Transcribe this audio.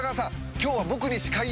今日は僕に。